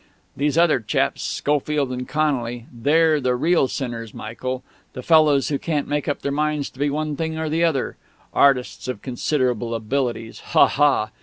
These other chaps, Schofield and Connolly, they're the real sinners, Michael the fellows who can't make up their minds to be one thing or the other ('artists of considerable abilities' ha! ha!)....